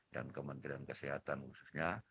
dan kementerian kesehatan khususnya